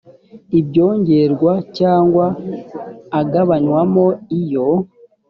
ibyongerwa cyangwa agabanywamo iyo